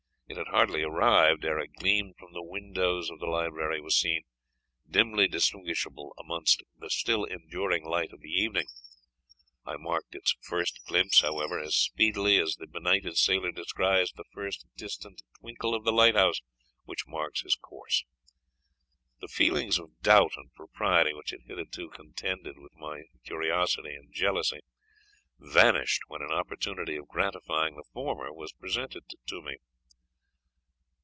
It had hardly arrived, ere a gleam from the windows of the library was seen, dimly distinguishable amidst the still enduring light of the evening. I marked its first glimpse, however, as speedily as the benighted sailor descries the first distant twinkle of the lighthouse which marks his course. The feelings of doubt and propriety, which had hitherto contended with my curiosity and jealousy, vanished when an opportunity of gratifying the former was presented to me.